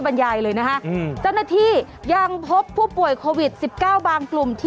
อะไรอ่ะยาเสพติดหรอ